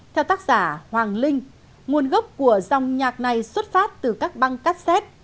theo tác giả hoàng linh nguồn gốc của dòng nhạc này xuất phát từ các băng cassette